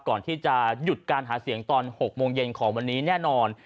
ก่อนที่จะหยุดการหาเสียงตอน๖โมงเย็นของวันนี้แน่นอน